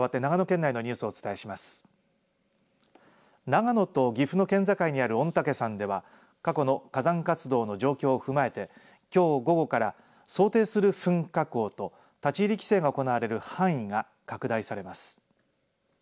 長野と岐阜の県境にある御嶽山では過去の火山活動の状況を踏まえて、きょう午後から想定する噴火口と立ち入り規制が行われる範囲が拡大されます。